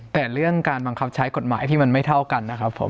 แต่เรื่องการบังคับใช้กฎหมายที่มันไม่เท่ากันนะครับผม